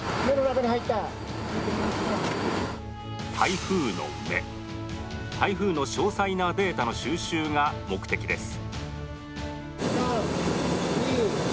台風の目台風の詳細なデータの収集が目的です